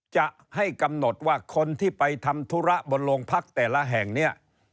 จะให้กำหนดว่าคนที่ไปทำธุระบนโรงพักแต่ละแห่งเนี่ย